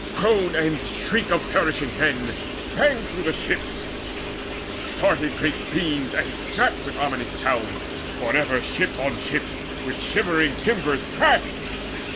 Groan and shriek of perishing men Rang through the ships; started great beams and snapped With ominous sound, for ever ship on ship With shivering timbers crashed.